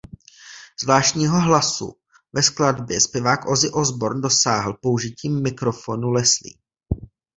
Zvláštního hlasu ve skladbě zpěvák Ozzy Osbourne dosáhl použitím mikrofonu Leslie.